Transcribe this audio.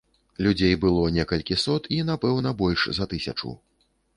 Людзей было некалькі сот, і напэўна больш за тысячу.